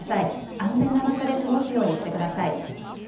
安全な場所で過ごすようにしてください。